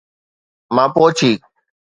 ماپوچي